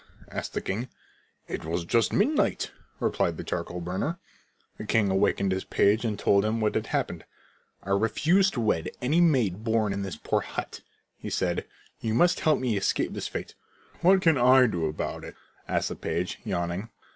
asked the king. "It was just midnight," replied the charcoal burner. The king awakened his page and told him what had happened. "I refuse to wed any maid born in this poor hut," he said. "You must help me to escape this fate." "What can I do about it?" asked the page, yawning.